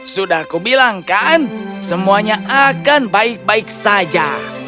sudah kubilangkan semuanya akan baik baik saja